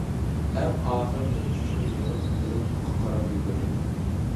ئەڭ ئاخىرقى كۈچۈمنى يىغىپ يورۇقلۇققا قاراپ يۈگۈردۈم.